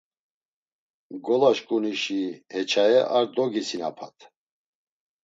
Ngolaşǩunişi heçaye ar dogisinapat…